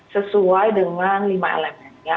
sesuai dengan lima elemen